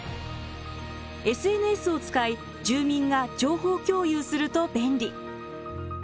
ＳＮＳを使い住民が情報共有すると便利。